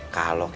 nah itu lo makan